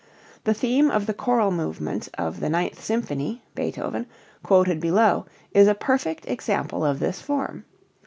The theme of the choral movement of the Ninth Symphony (Beethoven) quoted below is a perfect example of this form.